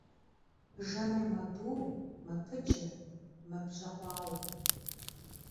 Жэмыр мэбу, мэпыджэ, мэбжьэкъуауэ.